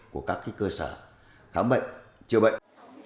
của các cơ sở khám bệnh chữa bệnh